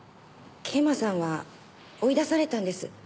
桂馬さんは追い出されたんです。